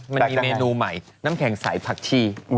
มันมีเมนูใหม่น้ำแข็งใสผักชี